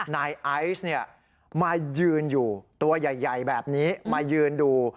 นายไอซ์มายืนอยู่ตัวใหญ่แบบนี้มายืนดู